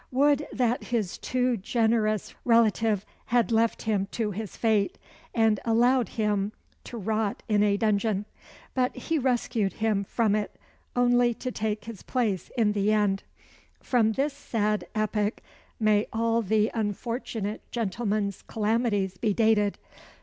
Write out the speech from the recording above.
Would that his too generous relative had left him to his fate, and allowed him to rot in a dungeon! But he rescued him from it, only to take his place in the end. From this sad epoch may all the unfortunate gentleman's calamities be dated.